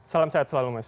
salam sehat selalu mas